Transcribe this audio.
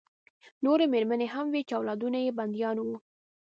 نورې مېرمنې هم وې چې اولادونه یې بندیان وو